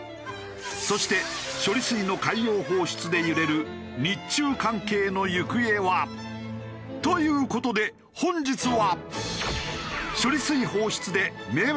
そして処理水の海洋放出で揺れる日中関係の行方は？という事で本日は。